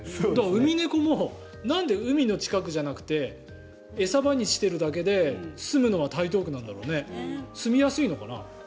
ウミネコもなんで海の近くじゃなくて餌場にしているだけですむのは台東区なんだろうね。